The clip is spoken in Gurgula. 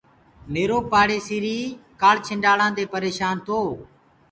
ميرو پآڙيسري ڪآنڇنڊݪآنٚ دي پريشآن تو۔